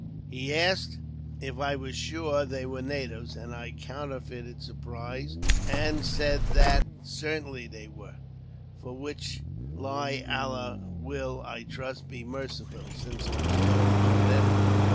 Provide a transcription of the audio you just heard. "He asked if I was sure they were natives, and I counterfeited surprise, and said that certainly they were; for which lie Allah will, I trust, be merciful, since it was told to an enemy.